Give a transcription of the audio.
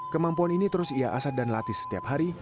kemampuan ini terus ia asap dan latih setiap hari